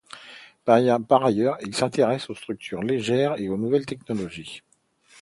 Par ailleurs, il s'intéresse aux structures légères et aux nouvelles technologies.